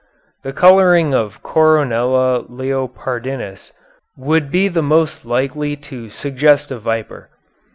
The coloring of Coronella leopardinus would be the most likely to suggest a viper.